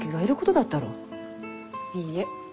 いいえ。